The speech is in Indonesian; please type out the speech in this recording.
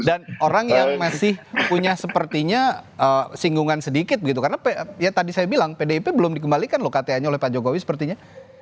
dan orang yang masih punya sepertinya singgungan sedikit begitu karena tadi saya bilang pdip belum dikembalikan loh kata kata nya oleh pak jokowi sepertinya